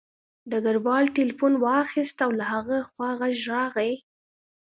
ډګروال تیلیفون واخیست او له هغه خوا غږ راغی